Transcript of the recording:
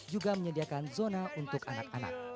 juga menyediakan zona untuk anak anak